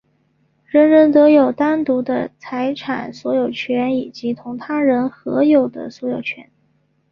人人得有单独的财产所有权以及同他人合有的所有权。